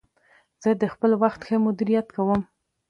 زه د خپل وخت ښه مدیریت کوم.